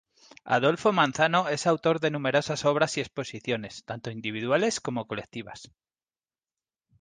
Adolfo Manzano es autor de numerosas obras y exposiciones, tanto individuales como colectivas.